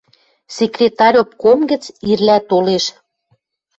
«Секретарь обком гӹц ирлӓ толеш.